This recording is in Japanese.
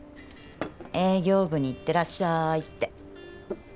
営業部に行ってらっしゃいって。